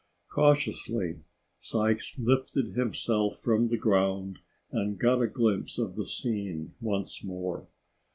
Cautiously, Sykes lifted himself from the ground and got a glimpse of the scene once more.